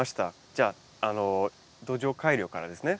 じゃあ土壌改良からですね。